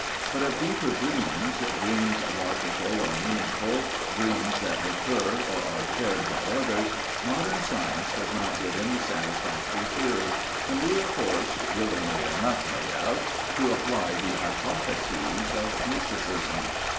But of deeper dreams, dreams logical or meaningful, dreams that recur or are shared by others, modern science does not give any satisfactory theory, and we are forced, willingly enough no doubt, to apply the hypotheses of mysticism.